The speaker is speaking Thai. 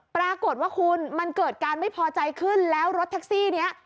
ปรากฏว่าคุณมันเกิดการไม่พอใจขึ้นแล้วรถแท็กซี่นี้